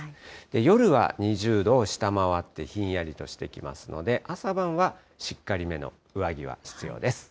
夜は２０度を下回ってひんやりとしてきますので、朝晩はしっかりめの上着は必要です。